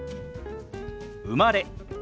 「生まれ」。